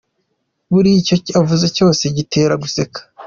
Buri icyo avuze cyose kigutera guseka.